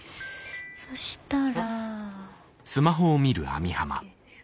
そしたら。